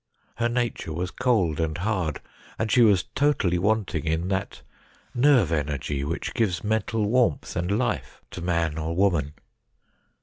Her nature was cold and hard ; and she was totally wanting in that nerve energy which gives mental warmth and life to man or woman.